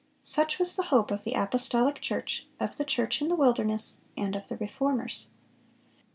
(476) Such was the hope of the apostolic church, of the "church in the wilderness," and of the Reformers.